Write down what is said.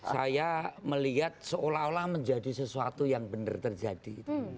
saya melihat seolah olah menjadi sesuatu yang benar terjadi